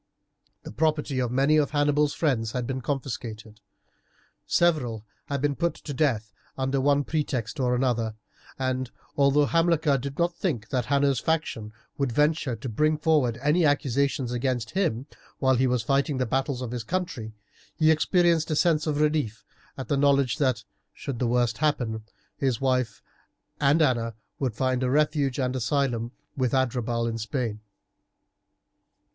The property of many of Hannibal's friends had been confiscated. Several had been put to death under one pretext or another, and although Hamilcar did not think that Hanno's faction would venture to bring forward any accusation against him while he was fighting the battles of his country, he experienced a sense of relief at the knowledge that, should the worst happen, his wife and Anna would find a refuge and asylum with Adherbal in Spain.